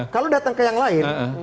kalau datang ke yang lain